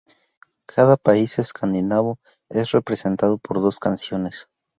Cada país escandinavo es representado por dos canciones.